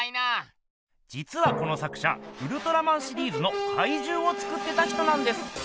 じつはこの作者ウルトラマンシリーズのかいじゅうを作ってた人なんです。